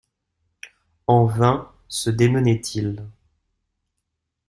En vain se démenaient-ils.